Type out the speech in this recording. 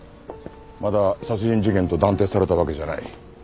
まだ殺人事件と断定されたわけじゃない。